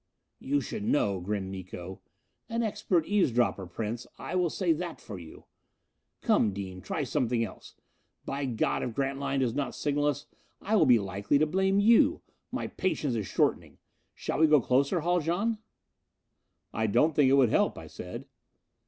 "You should know," grinned Miko. "An expert eavesdropper, Prince I will say that for you. Come Dean, try something else. By God, if Grantline does not signal us, I will be likely to blame you my patience is shortening. Shall we go closer, Haljan?" "I don't think it would help," I said.